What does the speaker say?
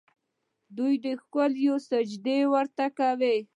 دوی ښکلوي یې، سجدې ورته کوي.